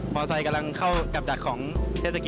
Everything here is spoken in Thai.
มอเตอร์ไซด์กำลังเข้ากับดักของเทศกิท